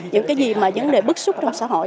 những cái gì mà vấn đề bức xúc trong xã hội